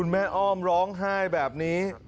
แม่อ้อมร้องไห้แบบนี้